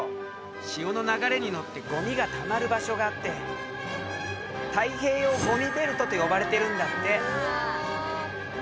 潮の流れに乗ってごみがたまる場所があって太平洋ごみベルトと呼ばれてるんだって。